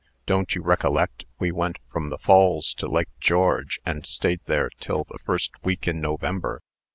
"Don't you recollect we went from the Falls to Lake George, and stayed there till the first week in November?